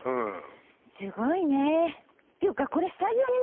すごいねていうか。